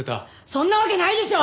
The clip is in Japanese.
そんなわけないでしょ！